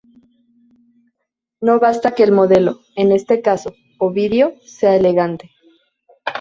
No basta que el modelo —en este caso Ovidio— sea elegante.